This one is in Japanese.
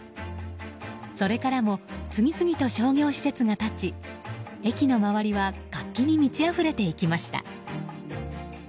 それからも次々と商業施設が建ち駅の周りは活気に満ちあふれていきました。